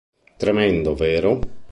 Tremendo, vero?